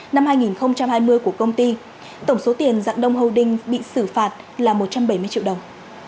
năm hai nghìn hai mươi của công ty tổng số tiền giảng đông hâu đinh bị xử phạt là một trăm bảy mươi triệu đồng